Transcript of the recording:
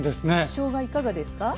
しょうがいかがですか？